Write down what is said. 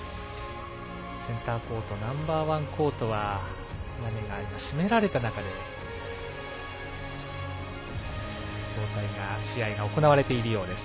センターコートナンバーワンコートは屋根が閉められた中で試合が行われているようです。